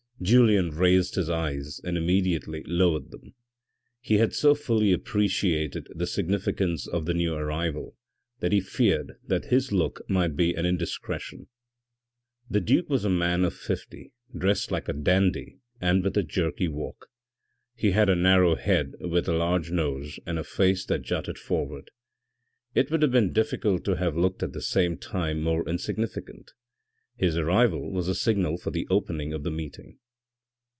Julien raised his eyes and immediately lowered them. He had so fully appreciated the significance of the new arrival that he feared that his look might be an indiscretion. The duke was a man of fifty dressed like a dandy and with a jerky walk. He had a narrow head with a large nose and a face that jutted forward ; it would have been difficult to have looked at the same time more insignificant. His arrival was the signal for the opening of the meeting.